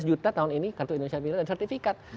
enam belas juta tahun ini kartu indonesia militer dan sertifikat